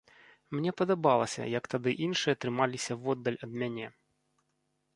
Мне падабалася, як тады іншыя трымаліся воддаль ад мяне.